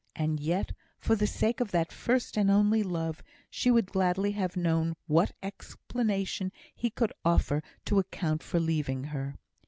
And yet, for the sake of that first and only love, she would gladly have known what explanation he could offer to account for leaving her.